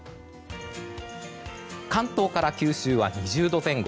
関東から九州は２０度前後。